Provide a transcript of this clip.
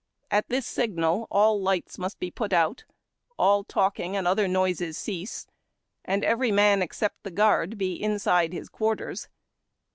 At this signal all lights must be put out, all talking and other noises cease, and every man, except the guard, be inside his quarters.